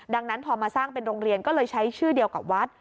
ดังนั้นพอมาสร้างเป็นโรงเรียนก็เลยใช้ชื่อเดียวกับวัด